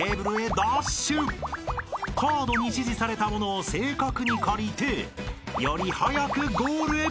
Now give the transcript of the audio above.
［カードに指示されたものを正確に借りてより早くゴールへ］